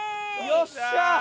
よっしゃ！